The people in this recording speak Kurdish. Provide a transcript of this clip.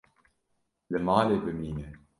Li malê bimîne.